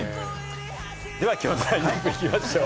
では今日のラインナップ行きましょう。